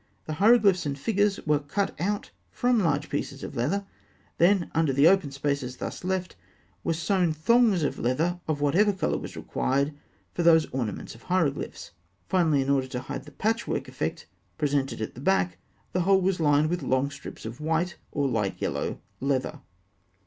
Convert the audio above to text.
The hieroglyphs and figures were cut out from large pieces of leather; then, under the open spaces thus left, were sewn thongs of leather of whatever colour was required for those ornaments or hieroglyphs. Finally, in order to hide the patchwork effect presented at the back, the whole was lined with long strips of white, or light yellow, leather.